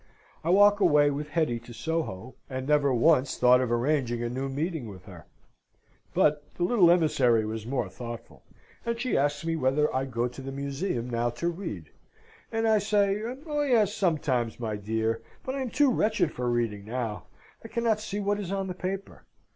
I walk away with Hetty to Soho, and never once thought of arranging a new meeting with her. But the little emissary was more thoughtful, and she asks me whether I go to the Museum now to read? And I say, "Oh yes, sometimes, my dear; but I am too wretched for reading now; I cannot see what is on the paper.